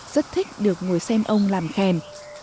rất thích được ngồi xem ông làm khen